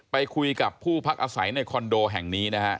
ไปคุยกับผู้พักอาศัยในคอนโดแห่งนี้นะฮะ